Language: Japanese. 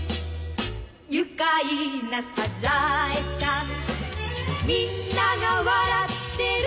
「愉快なサザエさん」「みんなが笑ってる」